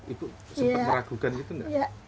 ibu sempat meragukan gitu nggak